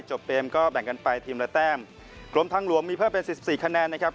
จบเกมก็แบ่งกันไปทีมละแต้มกรมทางหลวงมีเพิ่มเป็นสิบสี่คะแนนนะครับ